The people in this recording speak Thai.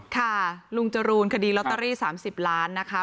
ค่ะลุงจรูนคดีลอตเตอรี่๓๐ล้านนะคะ